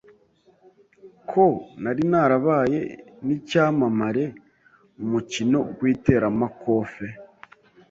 ko nari narabaye n’icyamamare mu mukino w’iteramakofe